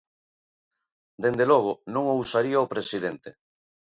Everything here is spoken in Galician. Dende logo, non o usaría o presidente.